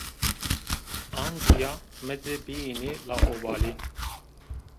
Ancîya mi de bîyêne laubalî